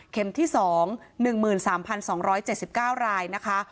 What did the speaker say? ที่๒๑๓๒๗๙รายนะคะ